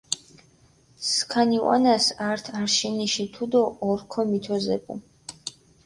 სქანი ჸვანას ართ არშინიში თუდო ორქო მითოზეპუ.